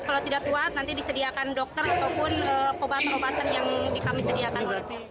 kalau tidak kuat nanti disediakan dokter ataupun obat obatan yang kami sediakan oleh tim